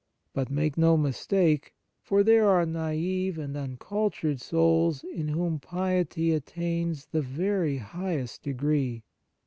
But make no mistake, for there are naive and uncultured souls in whom piety attains the very highest degree.